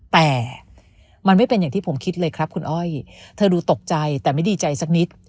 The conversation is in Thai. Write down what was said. แต่มันไม่เป็นอย่างที่ผมคิดเลยครับคุณอ้อยเธอดูตกใจแต่ไม่ดีใจสักนิด